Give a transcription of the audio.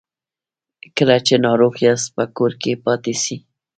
کله چې ناروغ یاست په کور کې پاتې سئ